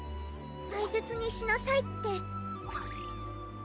たいせつにしなさいって。